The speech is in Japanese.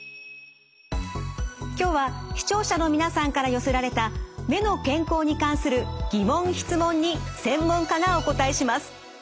今日は視聴者の皆さんから寄せられた目の健康に関する疑問質問に専門家がお答えします。